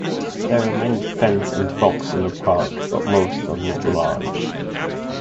There are many fens and bogs in the park, but most are not large.